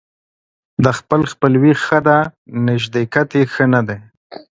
د خپل خپلوي ښه ده ، نژدېکت يې ښه نه دى.